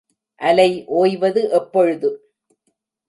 அலை ஒய்வது எப்பொழுது?